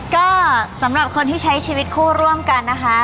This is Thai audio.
ก็สำหรับคนที่ใช้ชีวิตคู่ร่วมกันนะคะ